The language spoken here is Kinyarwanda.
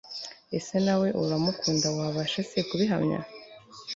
ese nawe uramukunda wabasha se kubihamya